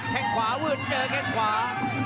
แข่งขวาวืดเกินแข่งขวา